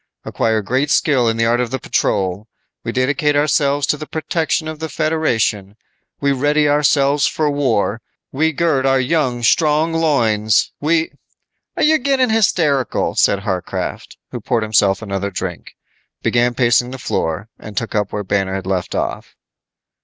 Acquire great skill in the art of the patrol. We dedicate ourselves to the protection of the Federation. We ready ourselves for war. We gird our young, strong loins, we " "You're getting hysterical," said Warcraft, who poured himself another drink, began pacing the floor and took up where Banner had left off.